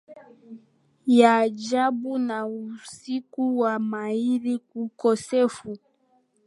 ya ajabu na usiku wa mahiri Ukosefu